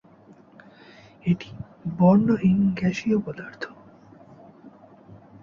এটি বর্ণহীন গ্যাসীয় পদার্থ।